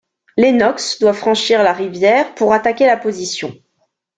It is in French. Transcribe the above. Lennox doit franchir la rivière pour attaquer la position.